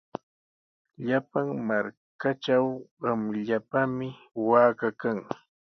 Llapan markatraw qamllapami waaka kan.